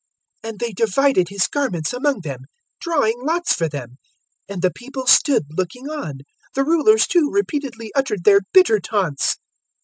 And they divided His garments among them, drawing lots for them; 023:035 and the people stood looking on. The Rulers, too, repeatedly uttered their bitter taunts.